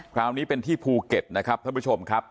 คราวนี้เป็นที่ภูเก็ตนะครับท่านผู้ชมครับ